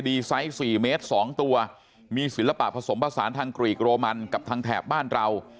ไซต์๔เมตร๒ตัวมีศิลปะผสมผสานทางกรีกโรมันกับทางแถบบ้านเรา